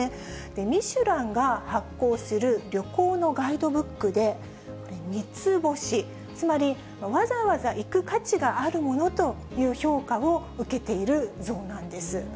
ミシュランが発行する旅行のガイドブックで、これ、三つ星、つまり、わざわざ行く価値があるものという評価を受けている像なんです。